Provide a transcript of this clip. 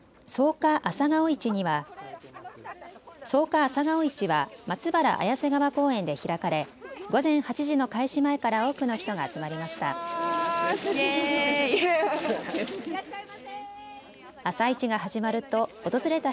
草加朝顔市はまつばら綾瀬川公園で開かれ午前８時の開始前から多くの人が集まりました。